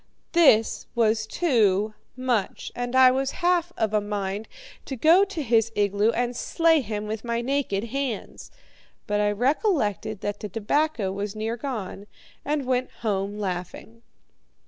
This was too much, and I was half of a mind to go to his igloo and slay him with my naked hands; but I recollected that the tobacco was near gone, and went home laughing.